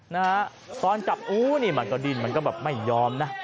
นะฮะตอนจับอู้นี่มันก็ดิ้นมันก็แบบไม่ยอมนะ